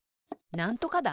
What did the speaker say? なんとか団？